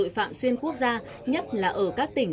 phạm xuyên quốc gia nhất là ở các tỉnh